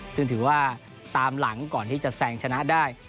ซึ่งถือว่าตามหลังก่อนที่จะแซงชนะได้